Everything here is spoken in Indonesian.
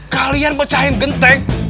kalian pecahin genteng